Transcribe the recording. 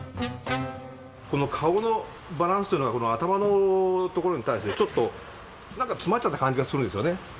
この顔のバランスというのは頭のところに対してちょっと何か詰まっちゃった感じがするんですよね。